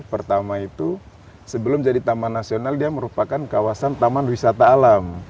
pertama itu sebelum jadi taman nasional dia merupakan kawasan taman wisata alam